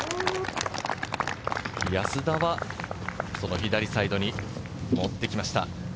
安田は左サイドにもってきました。